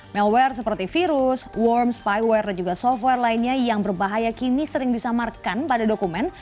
malware seperti virus warm spyware dan juga software lainnya yang berbahaya kini sering disamarkan pada dokumen